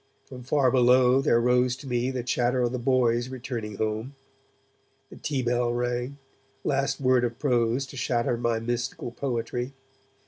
From far below there rose to me the chatter of the boys returning home. The tea bell rang, last word of prose to shatter my mystical poetry.